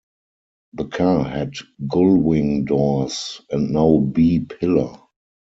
The car had gullwing doors and no B-pillar.